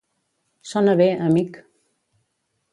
Sona bé, amic.